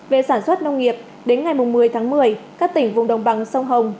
về sản xuất nông nghiệp đến ngày một mươi tháng một mươi các tỉnh vùng đồng bằng sông hồng